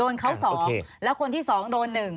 โดนเขาสองแล้วคนที่สองโดนหนึ่ง